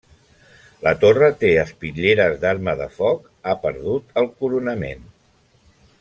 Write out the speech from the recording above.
La torre té espitlleres d'arma de foc; ha perdut el coronament.